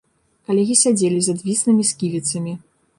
Калегі сядзелі з адвіслымі сківіцамі.